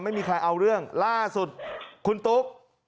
ไม่มีใครเอาเรื่องล่าสุดคุณตุ๊ก